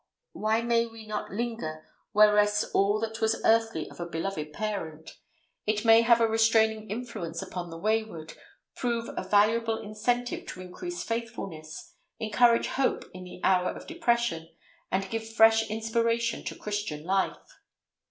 Why may we not linger where rests all that was earthly of a beloved parent? It may have a restraining influence upon the wayward, prove a valuable incentive to increased faithfulness, encourage hope in the hour of depression, and give fresh inspiration to Christian life.